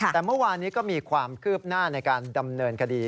แต่เมื่อวานนี้ก็มีความคืบหน้าในการดำเนินคดี